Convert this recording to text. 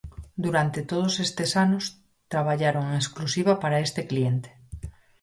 Durante todos estes anos traballaron en exclusiva para este cliente.